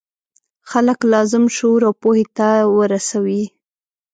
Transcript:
خلک لازم شعور او پوهې ته ورسوي.